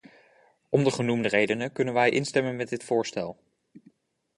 Om de genoemde redenen kunnen wij instemmen met dit voorstel.